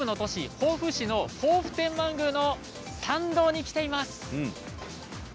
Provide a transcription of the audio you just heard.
防府市の防府天満宮の参道に来ています。